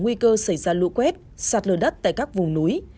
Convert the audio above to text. nguy cơ xảy ra lũ quét sạt lở đất tại các vùng núi